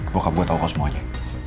bokap gue tau kau semuanya